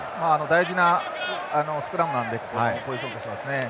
大事なスクラムなのでポジションとしてはですね。